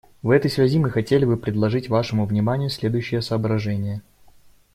В этой связи мы хотели бы предложить вашему вниманию следующие соображения.